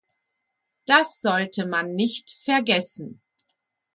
Das sollte man nicht vergessen.